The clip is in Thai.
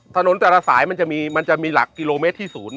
ถนนแต่ละสายมันจะมีหลักกิโลเมตรที่๐